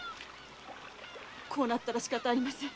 こうなったらしかたありません。